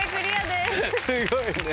すごいね。